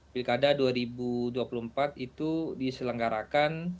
pilkada dua ribu dua puluh empat itu diselenggarakan